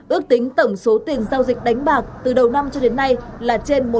ước tính tổng số tiền giao dịch đánh bạc từ đầu năm cho đến nay là trên một trăm linh